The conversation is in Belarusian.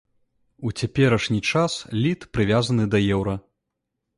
У цяперашні час літ прывязаны да еўра.